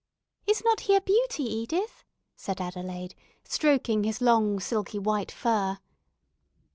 "Is not he a beauty, Edith?" said Adelaide, stroking his long, silky, white fur.